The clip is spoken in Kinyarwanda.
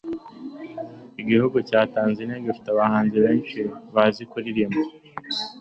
igihugu cya tanzania gifite abahanzi beshi bazi kuririmba